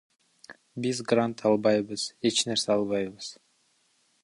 Биз грант албайбыз, эч нерсе албайбыз.